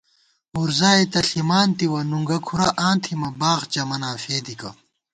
وُرزائےتہ ݪِمانتِوَہ نُنگہ کُھرہ آں تھِمہ باغ چمَناں فېدِکہ